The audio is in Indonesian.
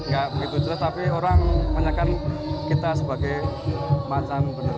gak begitu ceras tapi orang menyakinkan kita sebagai macam beneran